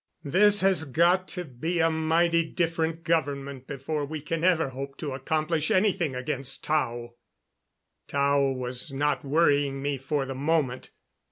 "This has got to be a mighty different government before we can ever hope to accomplish anything against Tao." Tao was not worrying me for the moment.